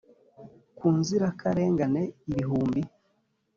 Ku nzirakarengane ibihumbi